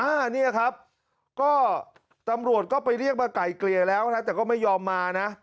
อันนี้ครับก็ตำรวจก็ไปเรียกมาไก่เกลี่ยแล้วนะแต่ก็ไม่ยอมมานะ